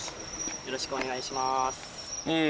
よろしくお願いします。